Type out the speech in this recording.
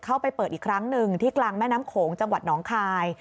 เปิดอีกครั้งหนึ่งที่กลางแม่น้ำโขงจังหวัดหนองคาย